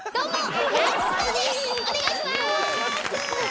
お願いしまーす！